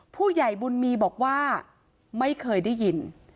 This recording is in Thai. ผู้ใหญ่บุญมีบอกว่าไม่เคยได้ยิน